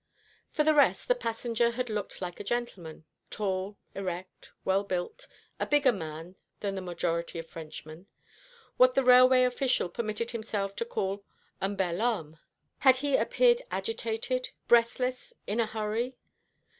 For the rest, this passenger had looked like a gentleman, tall, erect, well built, a bigger man than the majority of Frenchmen what the railway official permitted himself to call un bel homme. Had he appeared agitated, breathless, in a hurry?